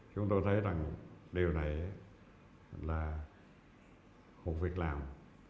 chúng tôi thấy điều này là khủng việc làm